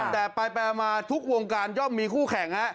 แต่ไปมาทุกวงการย่อมมีคู่แข่งฮะ